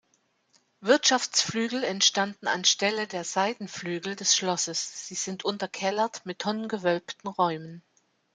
Wirtschaftsflügel entstanden anstelle der Seitenflügel des Schlosses; sie sind unterkellert mit tonnengewölbten Räumen.